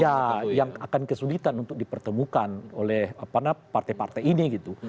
ya yang akan kesulitan untuk dipertemukan oleh partai partai ini gitu